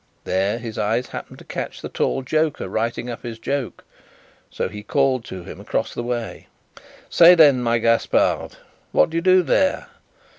There, his eyes happening to catch the tall joker writing up his joke, he called to him across the way: "Say, then, my Gaspard, what do you do there?"